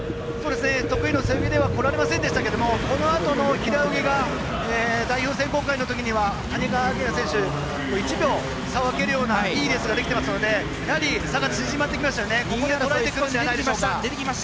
得意の背泳ぎではこられませんでしたけどもこのあとの平泳ぎが代表選考会のときには谷川亜華葉選手、１秒差を開けるようないいレースができていますので差が縮まってきましたよね。